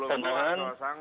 bp nya belum menurut saya